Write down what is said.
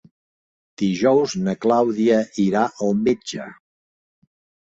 Dijous na Clàudia irà al metge.